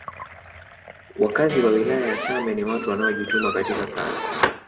Wakazi wa wilaya ya same ni watu wanaojituma katika kazi